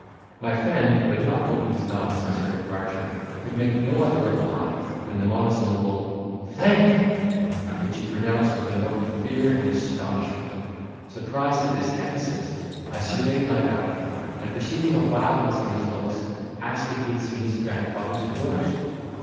My friend, who had not opened his mouth since her departure, could make no other reply than the monosyllable "Think!" which he pronounced with a note of fear and astonishment. Surprised at this emphasis, I surveyed my valet, and, perceiving a wildness in his looks, asked if he had seen his grandfather's ghost?